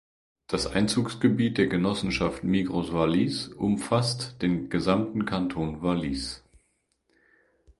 Das Einzugsgebiet der Genossenschaft Migros Wallis umfasst den gesamten Kanton Wallis.